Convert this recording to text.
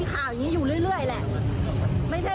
คุณผู้ชมคุณผู้ชมคุณผู้ชม